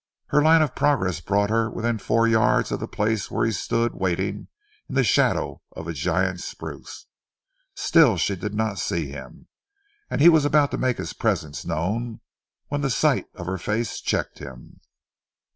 Her line of progression brought her within four yards of the place where he stood waiting in the shadow of a giant spruce. Still she did not see him, and he was about to make his presence known, when the sight of her face checked him.